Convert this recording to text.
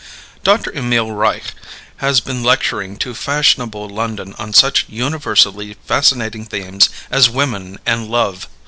Dr. Emil Reich has been lecturing to fashionable London on such universally fascinating themes as woman and love.